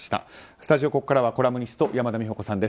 スタジオ、ここからはコラムニスト山田美保子さんです。